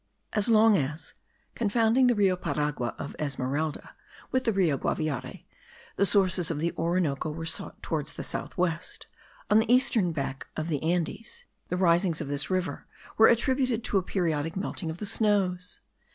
As long as, confounding the Rio Paragua of Esmeralda with the Rio Guaviare, the sources of the Orinoco were sought towards the south west, on the eastern back of the Andes, the risings of this river were attributed to a periodical melting of the snows.